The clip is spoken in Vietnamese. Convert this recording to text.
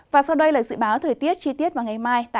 và sau đây là dự báo thời tiết chi tiết vào ngày mai